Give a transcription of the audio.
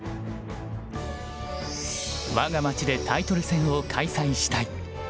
我が町でタイトル戦を開催したい。